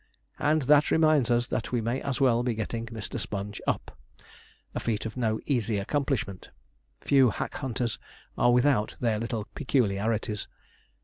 And that reminds us that we may as well be getting Mr. Sponge up a feat of no easy accomplishment. Few hack hunters are without their little peculiarities.